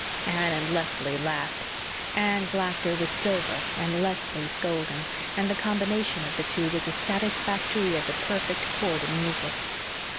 '" Anne and Leslie laughed. Anne's laughter was silver and Leslie's golden, and the combination of the two was as satisfactory as a perfect chord in music.